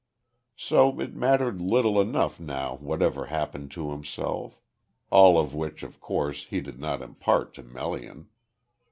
So it mattered little enough now whatever happened to himself. All of which of course, he did not impart to Melian.